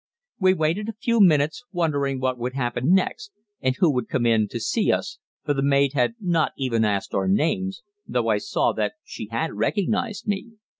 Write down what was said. We waited a few minutes, wondering what would happen next, and who would come in to see us, for the maid had not even asked our names, though I saw that she had recognized me.